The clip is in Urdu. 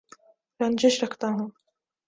رنجش رکھتا ہوں